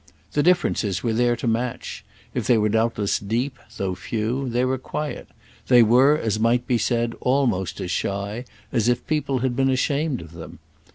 The differences were there to match; if they were doubtless deep, though few, they were quiet—they were, as might be said, almost as shy as if people had been ashamed of them.